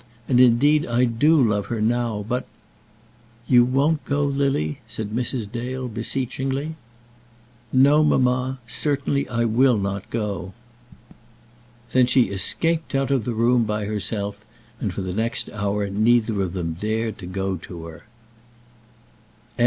And, indeed, I do love her now. But " "You won't go, Lily?" said Mrs. Dale, beseechingly. "No, mamma; certainly I will not go." Then she escaped out of the room by herself, and for the next hour neither of them dared to go to her. CHAPTER L. MRS.